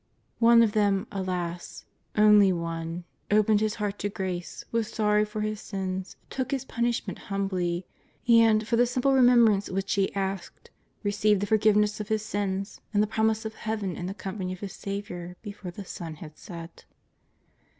One of them, alas! only one, opened his heart to grace, was sorry for his sins, took his punishment humbly, and, for the simple remem brance which he asked, received the forgiveness of his sins and the promise of Heaven in the company of his Saviour before the sun had set.